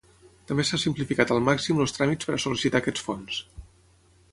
També s'ha simplificat al màxim els tràmits per a sol·licitar aquests fons.